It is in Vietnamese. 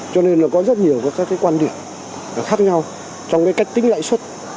cho nên là có rất nhiều các quan điểm khác nhau trong cái cách tính lãi suất